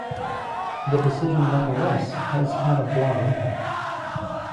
The decision nonetheless has had a broad impact.